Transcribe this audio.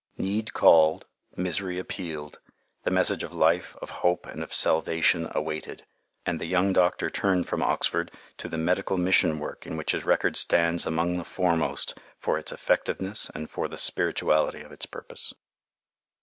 Need called, misery appealed, the message of life, of hope, and of salvation awaited, and the young doctor turned from Oxford to the medical mission work in which his record stands among the foremost for its effectiveness and for the spirituality of its purpose.